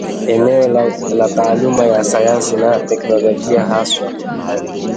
eneo la taaluma ya sayansi na teknolojia hasa